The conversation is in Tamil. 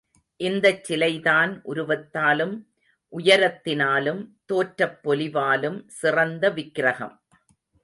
இந்தச் சிலைதான் உருவத்தாலும், உயரத்தினாலும், தோற்றப் பொலிவாலும், சிறந்த விக்ரகம்.